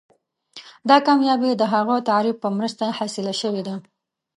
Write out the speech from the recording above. دا کامیابي د هغه تعریف په مرسته حاصله شوې ده.